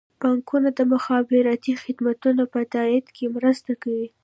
بانکونه د مخابراتي خدمتونو په تادیه کې مرسته کوي.